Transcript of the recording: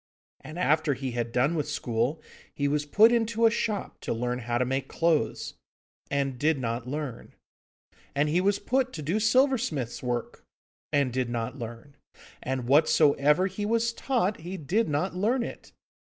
And, after he had done with school, he was put into a shop to learn how to make clothes, and did not learn; and he was put to do silversmith's work, and did not learn; and whatsoever he was taught, he did not learn it.